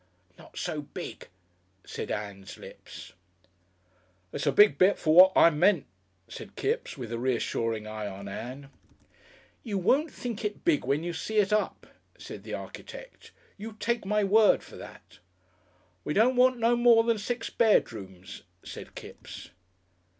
"Not so big," said Ann's lips. "It's a bit big for what I meant," said Kipps, with a reassuring eye on Ann. "You won't think it big when you see it up," said the architect; "you take my word for that." "We don't want no more than six bedrooms," said Kipps.